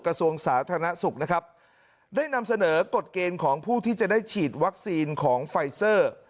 กระทรวงสาธารณสุขนะครับได้นำเสนอกฎเกณฑ์ของผู้ที่จะได้ฉีดวัคซีนของไฟเซอร์